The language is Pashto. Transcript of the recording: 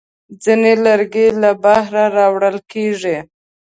ځینې لرګي له بهره راوړل کېږي.